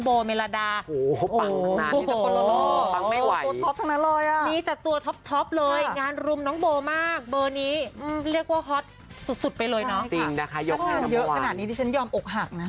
พอเยอะขนาดนี้ฉันยอมออกห่ากนะ